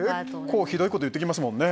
結構ひどいこと言ってきますもんね。